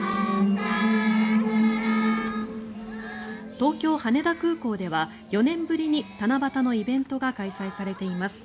東京・羽田空港では４年ぶりに七夕のイベントが開催されています。